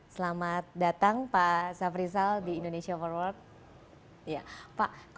selamat datang pak safrisal di indonesia for work